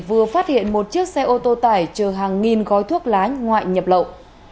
vừa phát hiện một chiếc xe ô tô tải chờ hàng nghìn gói thuốc lá ngoại nhập lậu